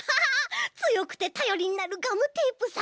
つよくてたよりになるガムテープさん。